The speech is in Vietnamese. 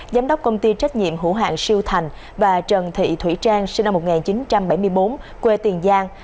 giám đốc công ty trách nhiệm hữu hạng siêu thành và trần thị thủy trang sinh năm một nghìn chín trăm bảy mươi bốn quê tiền giang